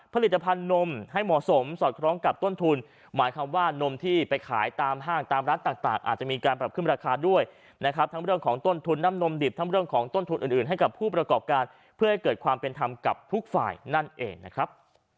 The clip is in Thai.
ประกอบการเพื่อให้เกิดความเป็นธรรมกับทุกฝ่ายนั่นเองนะครับ